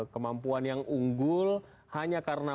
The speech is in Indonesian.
kemampuan yang unggul hanya karena